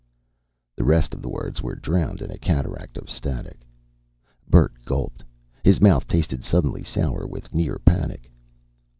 The rest of the words were drowned in a cataract of static. Bert gulped. His mouth tasted suddenly sour with near panic.